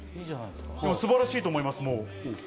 素晴らしいと思います。